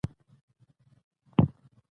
مشترکاتو او ورته والو سره بېلېږي.